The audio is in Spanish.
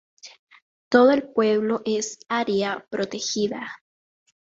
Todo el pueblo es área protegida.